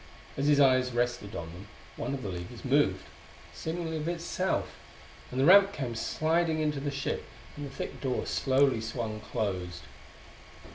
As his eyes rested on them, one of the levers moved, seemingly of itself, and the ramp came sliding into the ship and the thick door slowly swung closed.